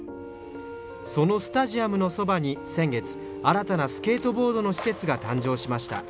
そのスタジアムのそばに、先月新たなスケートボードの施設が誕生しました。